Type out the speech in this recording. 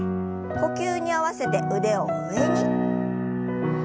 呼吸に合わせて腕を上に。